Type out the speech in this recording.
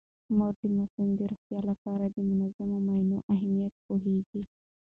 مور د ماشومانو د روغتیا لپاره د منظمو معاینو اهمیت پوهیږي.